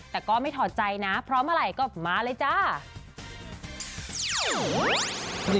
แต่ก็ไม่ถอดใจนะพร้อมเมื่อไหร่ก็มาเลยจ้า